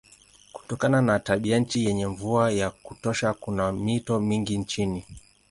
Kutokana na tabianchi yenye mvua ya kutosha kuna mito mingi nchini.